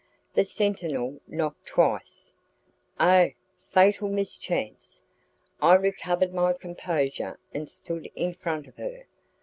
... The sentinel knocked twice! ... Oh! fatal mischance! I recovered my composure and stood in front of her.